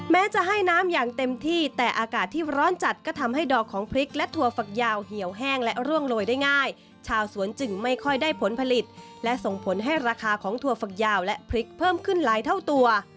แม้จะให้น้ำอย่างเต็มที่แต่อากาศที่ร้อนจัดก็ทำให้ดอกของพริกและถั่วฝักยาวเหี่ยวแห้งและร่วงโรยได้ง่ายชาวสวนจึงไม่ค่อยได้ผลผลิตและส่งผลให้ราคาของถั่วฝักยาวและพริกเพิ่มขึ้นหลายเท่าตัว